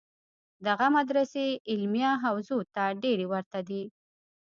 دغه مدرسې علمیه حوزو ته ډېرې ورته دي.